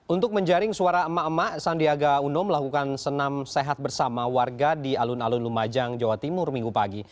untuk menjaring suara emak emak sandiaga uno melakukan senam sehat bersama warga di alun alun lumajang jawa timur minggu pagi